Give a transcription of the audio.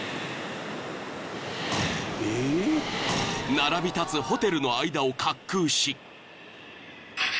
［並び立つホテルの間を滑空し］